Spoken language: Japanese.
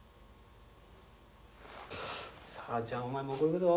さあじゃあお前向こう行くぞ。